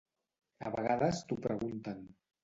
A vegades t’ho pregunten.